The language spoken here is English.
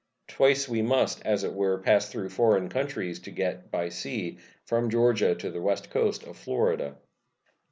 Twice we must, as it were, pass through foreign countries to get by sea from Georgia to the west coast of Florida.